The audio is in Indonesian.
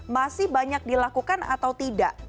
masih banyak dilakukan atau tidak